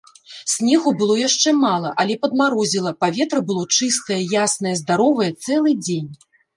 Снегу было яшчэ мала, але падмарозіла, паветра было чыстае, яснае, здаровае цэлы дзень.